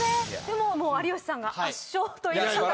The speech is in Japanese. でも有吉さんが圧勝という形で。